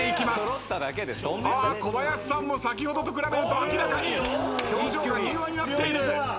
小林さんも先ほどと比べると明らかに表情が柔和になっている。